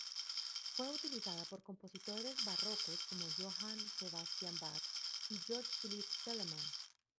Fue utilizada por compositores barrocos como Johann Sebastian Bach y Georg Philipp Telemann.